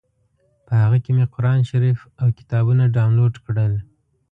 په هغه کې مې قران شریف او کتابونه ډاونلوډ کړل.